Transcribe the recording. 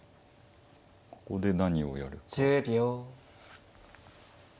ここで何をやるか。